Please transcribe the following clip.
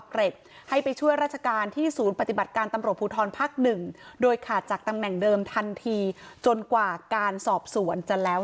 เขาเป็นเจ้าที่พัศนุกนะครับแล้วก็คงจะเอาปืนไปจำนำนะครับ